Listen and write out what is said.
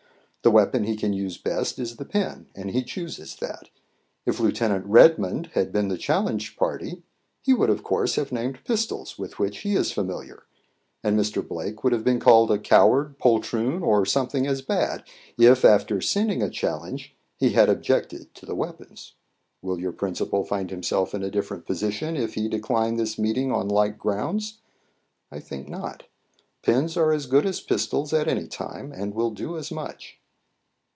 The weapon he can use best is the pen, and he chooses that. If Lieut. Redmond had been the challenged party, he would, of course, have named pistols, with which he is familiar, and Mr. Blake would have been called a coward, poltroon, or something as bad, if, after sending a challenge, he had objected to the weapons. Will your principal find himself in a different position if he decline this meeting on like grounds? I think not. Pens are as good as pistols at any time, and will do as much."